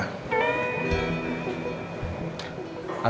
kamu enggak mau jauh jauh dari saya ya